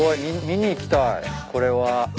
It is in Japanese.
見に行きたいこれは。